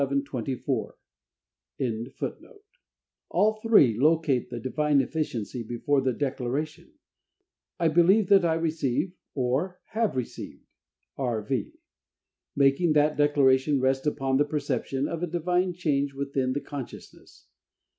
24.] All three locate the Divine efficiency before the declaration, "I believe that I receive," or "have received" (R. V.), making that declaration rest upon the perception of a Divine change within the consciousness.